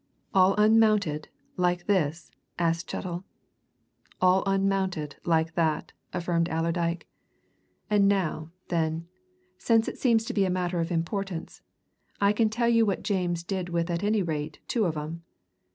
"All unmounted like this?" asked Chettle. "All unmounted like that," affirmed Allerdyke. "And now, then, since it seems to be a matter of importance, I can tell you what James did with at any rate two of 'em.